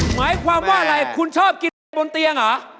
หมายความว่าอะไรคุณชอบกินเด็กบนเตียงเหรอ